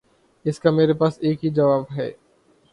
اس کا میرے پاس ایک ہی جواب ہے۔